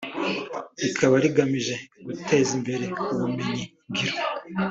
rikaba rigamije guteza imbere ubumenyi ngiro